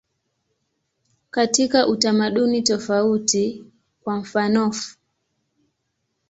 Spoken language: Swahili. Katika utamaduni tofauti, kwa mfanof.